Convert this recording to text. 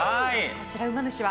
こちら、うま主は？